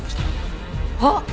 あっ！